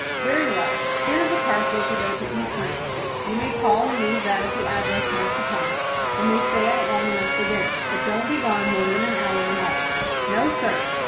"Very well, here is a parcel to go to East Ninth Street. You may call and leave that at the address marked upon it, and may stay out long enough for dinner. But don't be gone more than an hour in all." "No, sir."